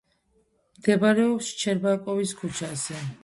მდებარეობს შჩერბაკოვის ქუჩაზე.